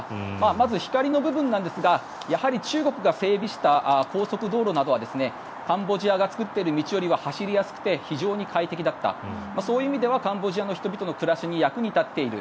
まず、光の部分なんですがやはり中国が整備した高速道路などはカンボジアが作っている道よりは走りやすくて非常に快適だったそういう意味ではカンボジアの人々の暮らしに役に立っている。